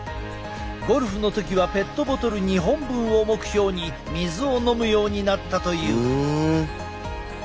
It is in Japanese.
ゴルフの時はペットボトル２本分を目標に水を飲むようになったという。